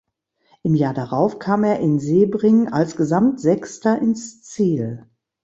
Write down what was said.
Im Jahr darauf kam er in Sebring als Gesamtsechster ins Ziel.